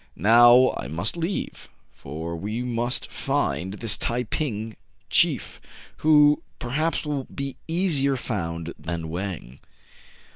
" Now I must leave ; for we must find this Tai ping chief, who perhaps will be easier found than Wang."